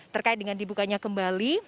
terkait dengan dibukanya kembali